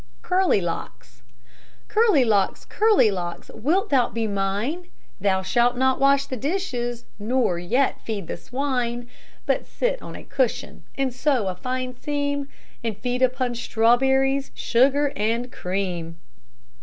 CURLY LOCKS Curly locks, Curly locks, wilt thou be mine? Thou shalt not wash the dishes, nor yet feed the swine; But sit on a cushion, and sew a fine seam And feed upon strawberries, sugar, and cream.